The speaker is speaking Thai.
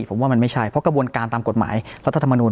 ผมว่ามันไม่ใช่เพราะกระบวนการตามกฎหมายรัฐธรรมนูล